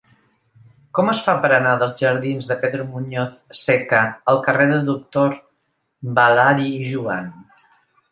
Com es fa per anar dels jardins de Pedro Muñoz Seca al carrer del Doctor Balari i Jovany?